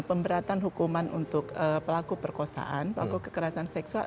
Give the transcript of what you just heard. pemberatan hukuman untuk pelaku perkosaan pelaku kekerasan seksual